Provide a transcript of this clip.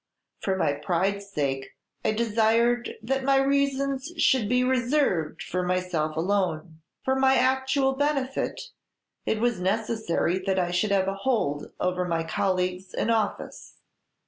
For my pride's sake I desired that my reasons should be reserved for myself alone; for my actual benefit it was necessary that I should have a hold over my colleagues in office.